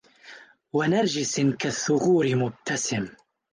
ونرجس كالثغور مبتسم